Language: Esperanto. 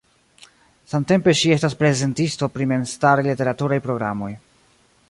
Samtempe ŝi estas prezentisto pri memstaraj literaturaj programoj.